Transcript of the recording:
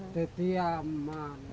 itu tempatnya aman